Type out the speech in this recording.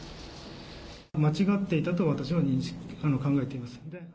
間違っていたと私は考えています。